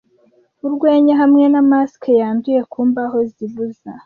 urwenya hamwe na mask yanduye ku mbaho zibuza